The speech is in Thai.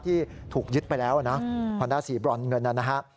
ที่ถูกยึดไปแล้วนะฮอนด้า๔บลอร์นเงินแล้วนะฮะ